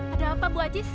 ada apa bu ajiis